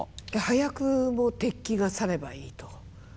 早く敵機が去ればいいと。